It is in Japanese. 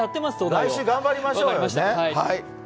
来週頑張りましょうよね。